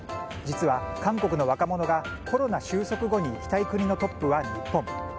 実は韓国の若者がコロナ収束後に行きたい国のトップは日本。